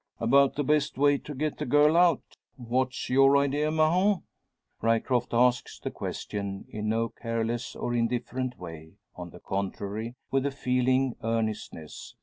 "About the best way to get the girl out. What's your idea, Mahon?" Ryecroft asks the question in no careless or indifferent way; on the contrary, with a feeling earnestness.